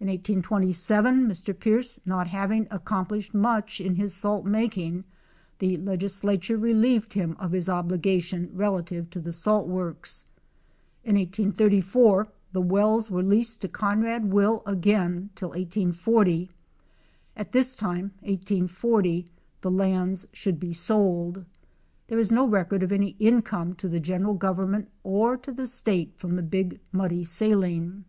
In 1827, Mr. Pearce not having ac complished much in his salt making, the legislature relieved him of his obligation relative to the salt works. In 1884 the wells were leased to Conrad Will again till 1840, at this time, 1840, the lands should be sold. There is no record of any income to the general government or to the State from the Big Muddy saline.